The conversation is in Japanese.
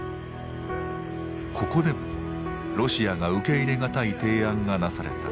ここでもロシアが受け入れ難い提案がなされた。